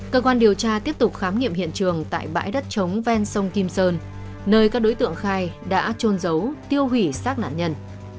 cơ quan điều tra tiếp tục khám nghiệm hiện trường tại bãi đất trống ven sông kim sơn nơi các đối tượng khai đã trôn giấu tiêu hủy sát nạn nhân